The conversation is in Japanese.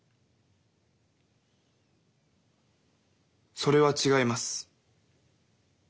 それは違います。